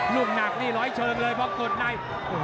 ลูกหนักนี่ร้อยเชิงเลยพอกดใน